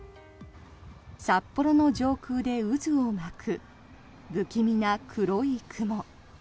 札幌の上空で渦を巻く不気味な黒い雲。